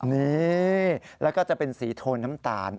นี่แล้วก็จะเป็นสีโทนน้ำตาล